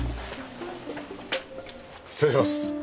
失礼します。